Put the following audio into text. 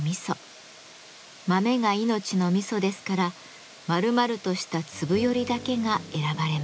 豆が命の味噌ですから丸々とした粒よりだけが選ばれます。